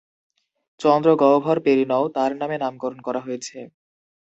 চন্দ্র গহ্বর পেরিনও তাঁর নামে নামকরণ করা হয়েছে।